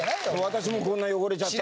私もこんな汚れちゃった」。